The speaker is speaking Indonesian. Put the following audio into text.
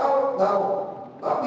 rp satu pak